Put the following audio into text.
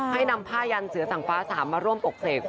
ให้นำผ้ายันเสือสังฟ้า๓มาร่วมอกเสก